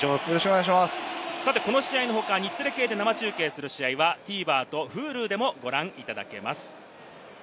さてこの試合の他、日テレ系で生中継する試合はＴＶｅｒとＨｕｌｕでも、ご覧いただけます。